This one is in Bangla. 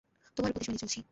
তোমার উপদেশ মেনে চলছি।